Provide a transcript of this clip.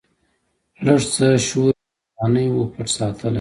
لږڅه شورمي د ځواني وًپټ ساتلی